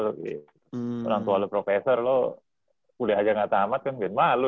orang tua lu profesor lu udah aja gak tamat kan bikin malu